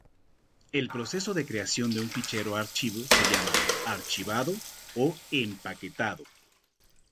El proceso de creación de un fichero archivo se llama "archivado" o "empaquetado".